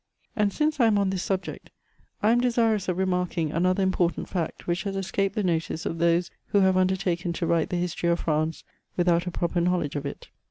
And since I am on this subject, I am dei^rous of remarking another important fact, which has escaped the notice of those who have undertaken to write the history of France, without a proper knowledge of it.